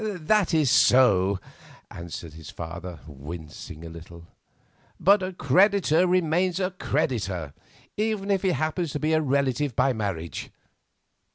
"That is so," answered his father, wincing a little; "but a creditor remains a creditor, even if he happens to be a relative by marriage.